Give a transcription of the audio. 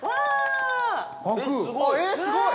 すごい！